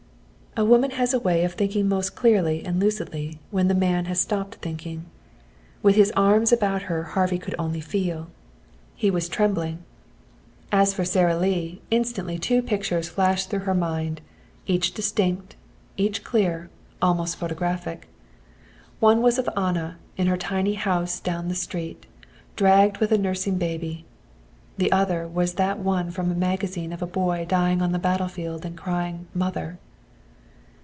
A woman has a way of thinking most clearly and lucidly when the man has stopped thinking. With his arms about her Harvey could only feel. He was trembling. As for Sara Lee, instantly two pictures flashed through her mind, each distinct, each clear, almost photographic. One was of Anna, in her tiny house down the street, dragged with a nursing baby. The other was that one from a magazine of a boy dying on a battlefield and crying "Mother!"